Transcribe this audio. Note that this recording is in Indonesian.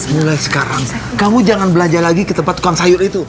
mulai sekarang kamu jangan belanja lagi ke tempat tukang sayur itu